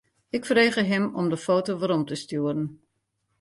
Ik frege him om de foto werom te stjoeren.